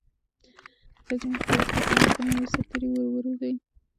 رئیس جمهور خپلو عسکرو ته امر وکړ؛ نوي سرتېري وروزیئ!